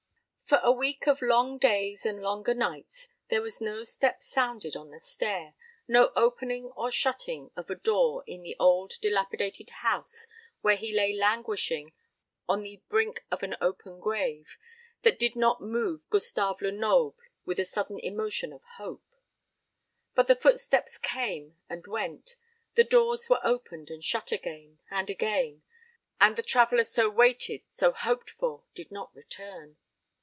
For a week of long days and longer nights there was no step sounded on the stair, no opening or shutting of a door in the old dilapidated house where he lay languishing on the brink of an open grave, that did not move Gustave Lenoble with a sudden emotion of hope. But the footsteps came and went, the doors were opened and shut again and again, and the traveller so waited, so hoped for did not return.